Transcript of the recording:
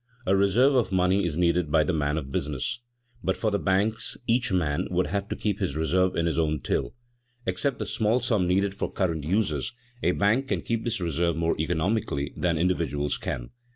A reserve of money is needed by the man of business. But for the banks each man would have to keep his reserve in his own till. Except the small sum needed for current uses, a bank can keep this reserve more economically than individuals can.